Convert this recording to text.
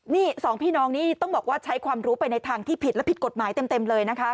นี่สองพี่น้องนี่ต้องบอกว่าใช้ความรู้ไปในทางที่ผิดและผิดกฎหมายเต็มเลยนะคะ